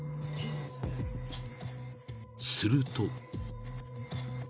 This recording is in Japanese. ［すると］